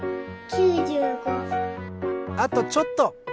あとちょっと！